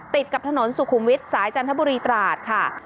ติดกับถนนสุขุมวิทย์สายจันทบุรีตราดค่ะ